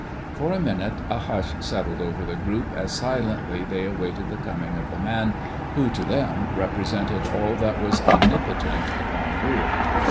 For a minute a hush settled over the group as silently they awaited the coming of the man who, to them, represented all that was Omnipotent upon earth.